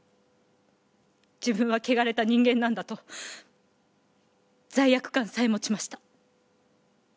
自分は汚れた人間なんだと罪悪感さえ持ちました。